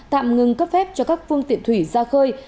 tạm ngừng cấp phép cho các phương tiện thủy ra khơi